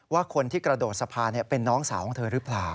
ว่าคนที่กระโดดสะพานเป็นน้องสาวของเธอหรือเปล่า